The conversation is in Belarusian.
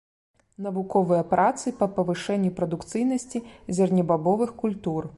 Навуковыя працы па павышэнні прадукцыйнасці зернебабовых культур.